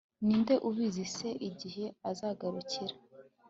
ninde ubizi se igihe azagarukira